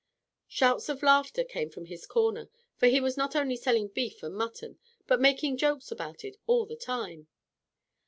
Shouts of laughter came from his corner, for he was not only selling beef and mutton, but making jokes about it all the time.